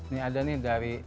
ini ada nih dari